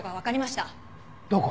どこ？